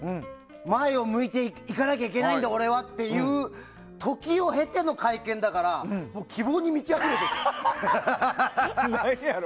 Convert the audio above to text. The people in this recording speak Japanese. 前を向いていかなきゃいけないんだ俺はっていう時を経ての会見だから希望に満ちあふれてたよね。